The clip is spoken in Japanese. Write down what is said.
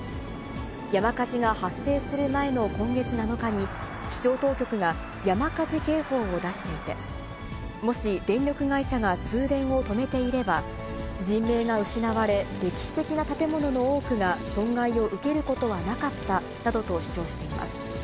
山火事が発生する前の今月７日に、気象当局が山火事警報を出していて、もし電力会社が通電を止めていれば、人命が失われ、歴史的な建物の多くが損害を受けることはなかったなどと主張しています。